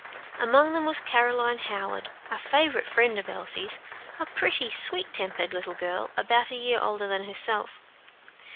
Among them was Caroline Howard, a favorite friend of Elsie's; a pretty, sweet tempered little girl, about a year older than herself.